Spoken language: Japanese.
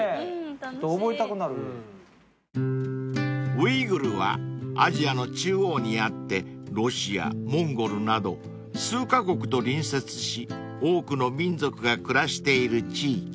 ［ウイグルはアジアの中央にあってロシアモンゴルなど数カ国と隣接し多くの民族が暮らしている地域］